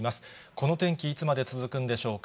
この天気、いつまで続くんでしょうか。